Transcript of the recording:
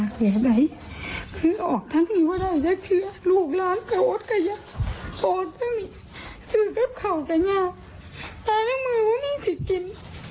คือแบบเขาก็ง่ายแต่ละมือว่าไม่มีสิทธิ์กิน